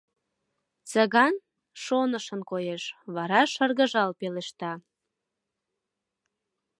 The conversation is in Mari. Цыган шонышын коеш, вара шыргыжал пелешта: